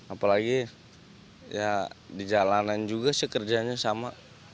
apalagi ya di jalanan juga sekerjanya sama